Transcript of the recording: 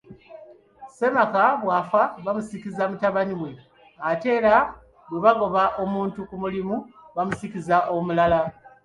Ssemaka bw'afa bamusikiza mutabani we ate era bwe bagoba omuntu ku mulimu bamusikiza omulala